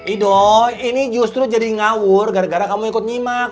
idol ini justru jadi ngawur gara gara kamu ikut nyimak